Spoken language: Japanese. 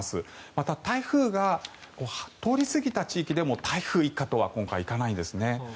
また台風が通り過ぎた地域でも台風一過とは今回、いかないんですね。